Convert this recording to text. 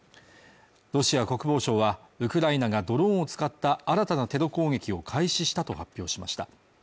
ロシア国防省はウクライナがドローンを使った新たなテロ攻撃を開始したと発表しました